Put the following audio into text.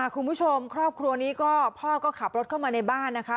ครอบครัวนี้ก็พ่อก็ขับรถเข้ามาในบ้านนะคะ